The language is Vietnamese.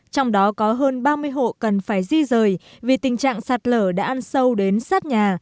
trong đó có hơn ba mươi hộ cần phải di rời vì tình trạng sạt lở đã ăn sâu đến sát nhà